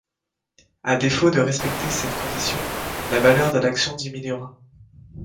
À défaut de respecter cette condition, la valeur de l'action diminuera.